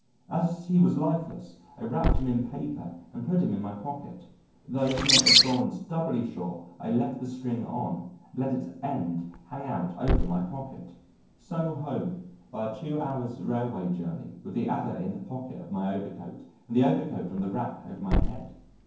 As he was lifeless I wrapped him in paper and put him in my pocket though to make assurance doubly sure I left the string on and let its end hang out over my pocket. So home by a two hours' railway journey with the adder in the pocket of my overcoat and the overcoat on the rack over my head.